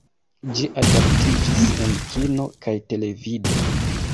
Ĝi adaptiĝis en kino kaj televido.